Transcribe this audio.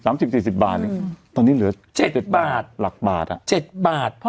สามสิบสี่สิบบาทอืมตอนนี้เหลือเจ็ดบาทหลักบาทอ่ะเจ็ดบาท